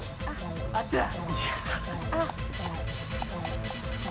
あっちだ。